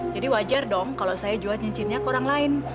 jadi wajar dong kalau saya jual cincinnya ke orang lain